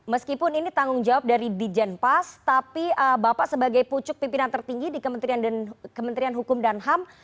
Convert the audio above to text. meskipun ini tanggung jawab dari di jenpas tapi bapak sebagai pucuk pimpinan tertinggi di kementerian hukum dan ham